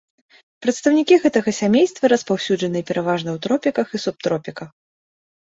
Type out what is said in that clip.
Прадстаўнікі гэтага сямейства распаўсюджаныя пераважна ў тропіках і субтропіках.